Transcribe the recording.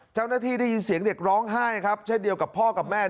ได้ยินเสียงเด็กร้องไห้ครับเช่นเดียวกับพ่อกับแม่